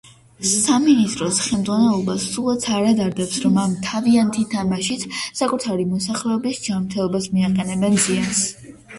სამინისტროს ხელმძღვანელობას სულაც არ ადარდებს, რომ ამ თავიანთი თამაშით საკუთარი მოსახლეობის ჯანმრთელობას მიაყენებენ ზიანს.